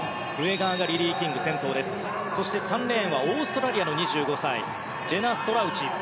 ３レーンはオーストラリアのジェナ・ストラウチ。